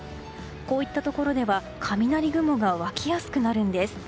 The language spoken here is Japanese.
こういったところでは雷雲が湧きやすくなるんです。